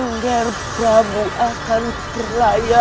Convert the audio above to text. nger prabu akan berlayar